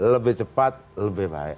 lebih cepat lebih baik